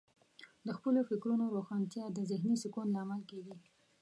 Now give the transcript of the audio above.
د خپلو فکرونو روښانتیا د ذهنې سکون لامل کیږي.